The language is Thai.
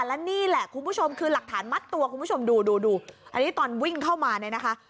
และนี่แหละคุณผู้ชมคือหลักฐานมัดตัวคุณผู้ชมดูดูอันนี้ตอนวิ่งเข้ามาเนี่ยนะคะ